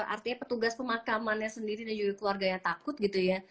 artinya petugas pemakamannya sendiri dan juga keluarganya takut gitu ya